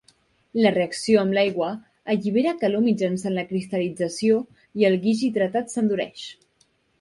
La reacció amb l'aigua allibera calor mitjançant la cristal·lització i el guix hidratat s'endureix.